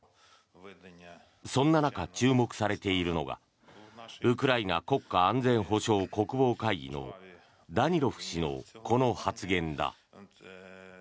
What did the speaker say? そんな中、注目されているのがウクライナ国家安全保障国防会議のダニロフ氏のこの発言だ。